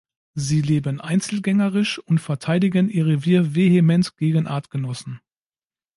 Sie leben einzelgängerisch und verteidigen ihr Revier vehement gegen Artgenossen.